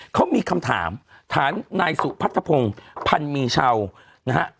เขามีคำถามฐานนายสุพัฒนภงภัณฑ์มีเช่านะฮะ